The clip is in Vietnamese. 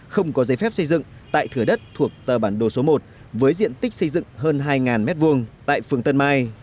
không có giấy phép xây dựng tại thừa đất thuộc tờ bản đồ số một với diện tích xây dựng hơn hai m hai tại phường tân mai